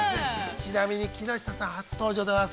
ちなみに木下さん、初登場でございます。